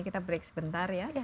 kita break sebentar ya